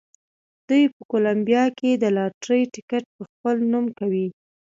دوی په کولمبیا کې د لاټرۍ ټکټ په خپل نوم کوي.